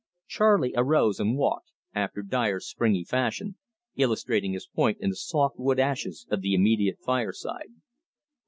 Charley arose and walked, after Dyer's springy fashion, illustrating his point in the soft wood ashes of the immediate fireside.